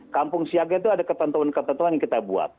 kampung siaga itu ada ketentuan ketentuan yang kita buat